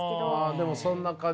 でもそんな感じ